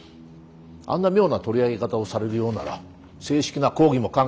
あんな妙な取り上げ方をされるようなら正式な抗議も考えませんとね。